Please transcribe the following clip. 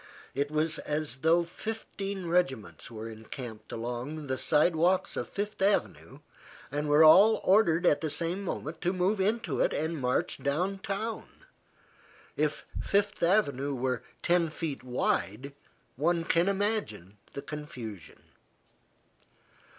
It was as though fifteen regiments were encamped along the sidewalks of Fifth Avenue and were all ordered at the same moment to move into it and march downtown. If Fifth Avenue were ten feet wide, one can imagine the confusion.